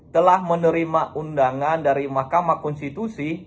telah menerima undangan dari mahkamah konstitusi